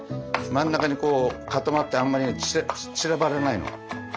真ん中にこう固まってあまり散らばらないの。